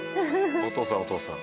お父さんお父さん。